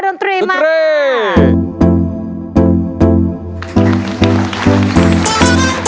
ดนตรีมาก